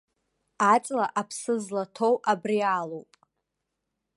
Аҵла аԥсы злаҭоу абриалоуп.